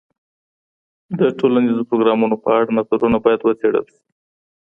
د ټولنیزو پروګرامونو په اړه نظرونه باید وڅېړل سي.